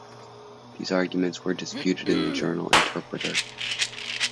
These arguments were disputed in the journal "Interpreter".